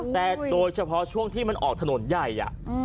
แต่โดยเฉพาะช่วงที่มันออกถนนใหญ่